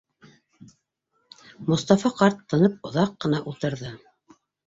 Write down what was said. Мостафа ҡарт тынып оҙаҡ ҡына ултырҙы.